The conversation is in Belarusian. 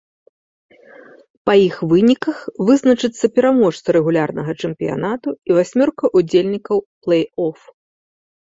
Па іх выніках вызначыцца пераможца рэгулярнага чэмпіянату і васьмёрка ўдзельнікаў плэй-оф.